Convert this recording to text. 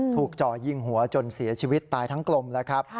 จ่อยิงหัวจนเสียชีวิตตายทั้งกลมแล้วครับ